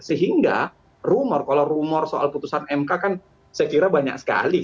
sehingga rumor kalau rumor soal putusan mk kan saya kira banyak sekali